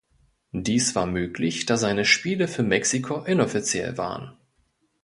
Dies war möglich, da seine Spiele für Mexiko inoffiziell waren.